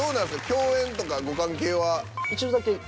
共演とかご関係は？